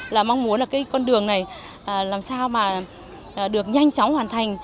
là mong muốn là cái con đường này làm sao mà được nhanh chóng hoàn thành